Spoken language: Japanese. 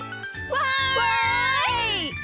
わい！